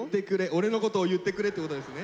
「俺のことを言ってくれ」ってことですね。